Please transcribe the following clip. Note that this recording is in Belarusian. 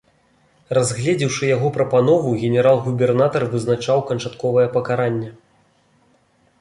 Разгледзеўшы яго прапанову, генерал-губернатар вызначаў канчатковае пакаранне.